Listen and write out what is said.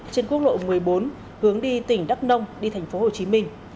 trên quốc lộ một mươi bốn hướng đi tỉnh đắk nông đi thành phố hồ chí minh